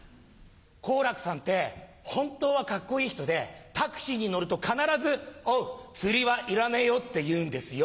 好楽さんって本当はカッコいい人でタクシーに乗ると必ず「おう釣りはいらねえよ」って言うんですよ。